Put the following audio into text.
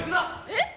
えっ？